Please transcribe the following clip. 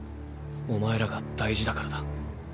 お前らが大事だからだ。